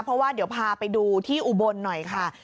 เพราะว่าเดี๋ยวพาไปดูที่อุบลหน่อยค่ะ